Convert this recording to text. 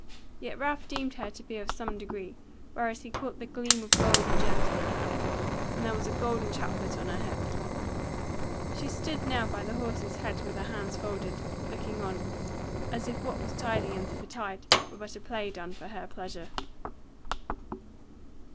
Yet Ralph deemed her to be of some degree, whereas he caught the gleam of gold and gems on her hands, and there was a golden chaplet on her head. She stood now by the horse's head with her hands folded, looking on, as if what was tiding and to betide, were but a play done for her pleasure.